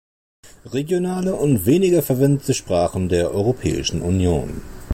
Regionale und weniger verwendete Sprachen der Europäischen Union.